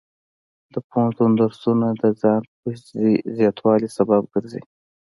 د پوهنتون درسونه د ځان پوهې زیاتوالي سبب ګرځي.